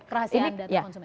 kerahasiaan data konsumen